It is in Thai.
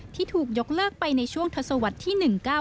ที่ถูกยกเลิกไปในช่วงทศวรรษที่๑๙